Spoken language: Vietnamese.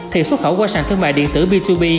thì xuất khẩu qua sàn thương mại điện tử b hai b